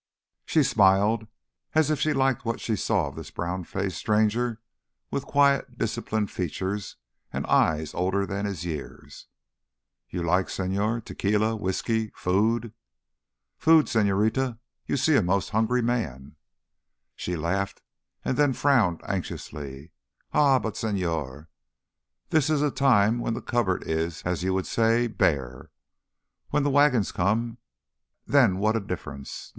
She smiled as if she liked what she saw of this brown faced stranger with quiet, disciplined features and eyes older than his years. "You like, señor ... tequila ... whiskee ... food?" "Food, señorita. You see a most hungry man." She laughed and then frowned anxiously. "Ah, but, señor, this is a time when the cupboard is, as you would say, bare! When the wagons come—then what a difference!